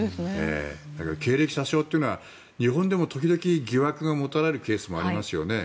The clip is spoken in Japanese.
経歴詐称は日本でも時々疑惑が持たれるケースがありますよね。